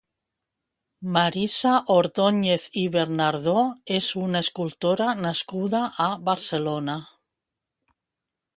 Marisa Ordóñez i Bernardo és una escultora nascuda a Barcelona.